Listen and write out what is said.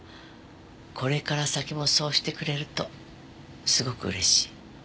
これから先もそうしてくれるとすごく嬉しい。